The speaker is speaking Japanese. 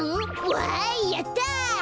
わいやった。